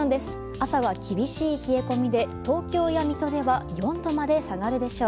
朝は厳しい冷え込みで東京や水戸では４度まで下がるでしょう。